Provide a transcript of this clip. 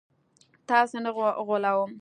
تاسي نه غولوم